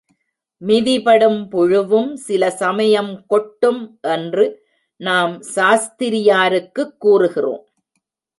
மிதிபடும் புழுவும் சில சமயம் கொட்டும் என்று நாம் சாஸ்திரியாருக்குக் கூறுகிறோம்.